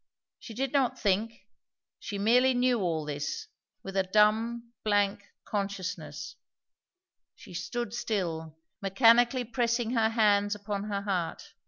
She did not think; she merely knew all this, with a dumb, blank consciousness; she stood still, mechanically pressing her hands upon her heart.